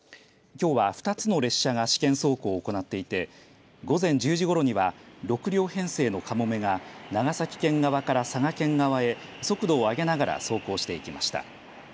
きょうは２つの列車が試験走行を行っていて午前１０時ごろには６両編成のかもめが長崎県側から佐賀県側へ、速度を上げながら走行していきました。